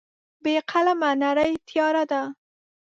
بې قلمه نړۍ تیاره ده.